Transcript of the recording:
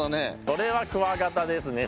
それはクワガタですね